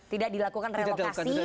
tidak dilakukan relokasi